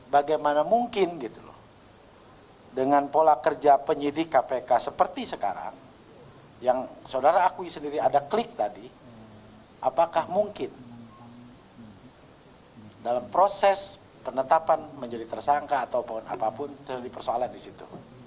bagaimana mungkin gitu loh dengan pola kerja penyidik kpk seperti sekarang yang saudara akui sendiri ada klik tadi apakah mungkin dalam proses penetapan menjadi tersangka ataupun apapun terjadi persoalan di situ